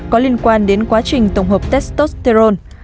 có liên quan đến quá trình tổng hợp testosterone